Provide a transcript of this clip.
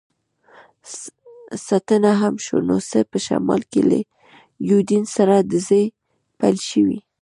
ستنه هم شو، نو څه، په شمال کې له یوډین سره ډزې پیل شوې.